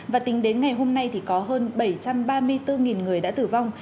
và tính đến ngày hôm nay thì có hơn bảy trăm ba mươi bốn người đã tử vong